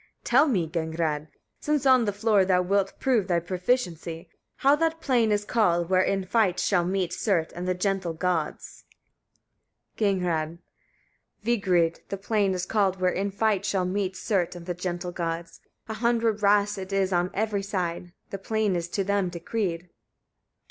_ 17. Tell me, Gagnrâd! since on the floor thou wilt prove thy proficiency, how that plain is called, where in fight shall meet Surt and the gentle Gods? Gagnrâd. 18. Vigrid the plain is called where in fight shall meet Surt and the gentle Gods; a hundred rasts it is on every side. That plain is to them decreed.